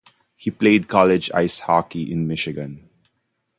He played college ice hockey at Michigan.